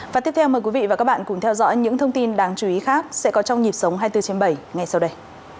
và tiếp theo mời quý vị và các bạn cùng theo dõi những thông tin đáng chú ý khác sẽ có trong nhịp sống hai mươi bốn trên bảy ngay sau đây